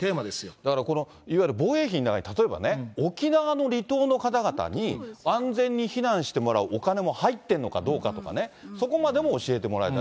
だからこの、いわゆる防衛費の中に例えばね、沖縄の離島の方々に安全に避難してもらうお金も入っているのかどうかとかね、そこまでも教えてもらいたい。